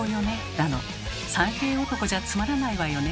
だの「３平男じゃつまらないわよね」